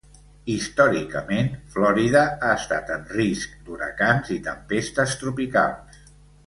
Històricament, Florida ha estat en risc d'huracans i tempestes tropicals.